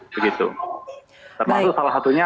termasuk salah satunya